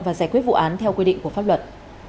và giải quyết vụ án theo quy định của pháp luật